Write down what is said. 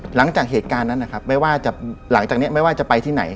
หลังจากเหตุการณ์นั้นไม่ว่าจะไปที่ไหน